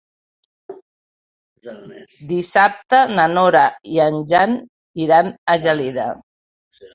Dissabte na Nora i en Jan iran a Gelida.